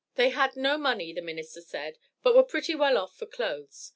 They had no money, the minister said, but were pretty well off for clothes.